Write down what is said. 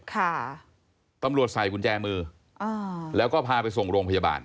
ค่ะตำรวจใส่กุญแจมืออ่าแล้วก็พาไปส่งโรงพยาบาล